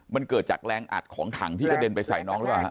มันเกิดจากแรงอัดของถังที่กระเด็นไปใส่น้องหรือเปล่าฮะ